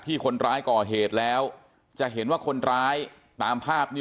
คนร้ายก่อเหตุแล้วจะเห็นว่าคนร้ายตามภาพนี้